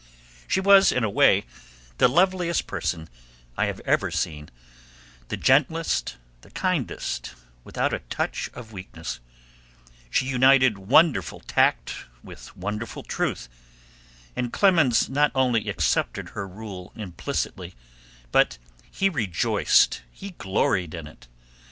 She was in a way the loveliest person I have ever seen, the gentlest, the kindest, without a touch of weakness; she united wonderful tact with wonderful truth; and Clemens not only accepted her rule implicitly, but he rejoiced, he gloried in it.